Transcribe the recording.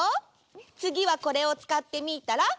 つぎはこれをつかってみたら？